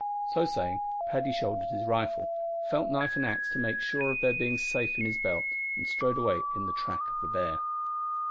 So saying Paddy shouldered his rifle, felt knife and axe to make sure of their being safe in his belt, and strode away in the track of the bear.